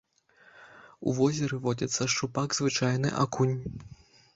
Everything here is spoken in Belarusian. У возеры водзяцца шчупак звычайны, акунь.